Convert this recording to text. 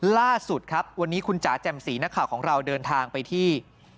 ล่าสุดครับวันนี้คุณจ๋าแจ่มสีนักข่าวของเราเดินทางไปที่